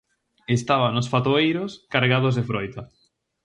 Estaban os fatoeiros cargados de froita.